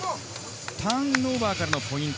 ターンオーバーからのポイント。